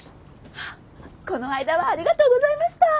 あっこの間はありがとうございました。